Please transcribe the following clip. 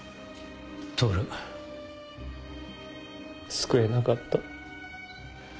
救えなかった。